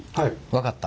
分かった。